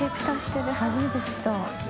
初めて知った。